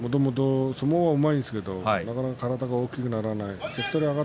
もともと相撲がうまいんですけれど体が大きくならない。